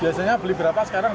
biasanya beli berapa sekarang